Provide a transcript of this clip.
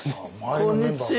こんにちは！